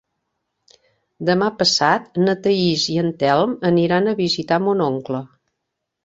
Demà passat na Thaís i en Telm aniran a visitar mon oncle.